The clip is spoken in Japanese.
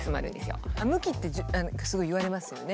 向きってすごい言われますよね。